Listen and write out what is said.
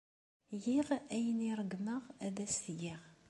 Giɣ ayen ay ṛeggmeɣ ad as-t-geɣ.